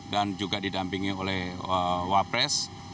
dan juga didampingi oleh wapres